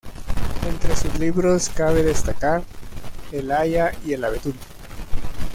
Entre sus libros cabe destacar: "El haya y el abedul.